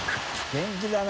元気だな。